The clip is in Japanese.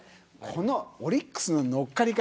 このオリックスの乗っかり方